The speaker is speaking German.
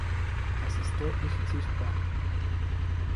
Das ist deutlich sichtbar.